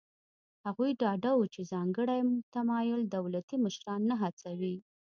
هغوی ډاډه وو چې ځانګړی تمایل دولتي مشران نه هڅوي.